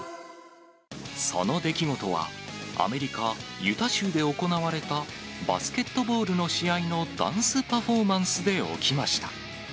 その出来事は、アメリカ・ユタ州で行われたバスケットボールの試合のダンスパフォーマンスで起きました。